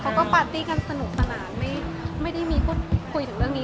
เขาก็ปาร์ตี้กันธนิยะอะไม่ได้มีคุณคุยถึงเรื่องนี้